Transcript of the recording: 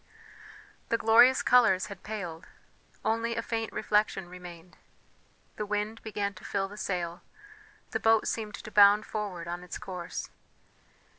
The glorious colours had paled, only a faint reflection remained; the wind began to fill the sail, the boat seemed to bound forward on its course.